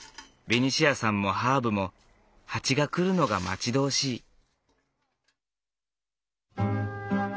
ベニシアさんもハーブもハチが来るのが待ち遠しい。